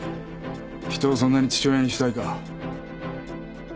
人をそんなに父親にしたいか？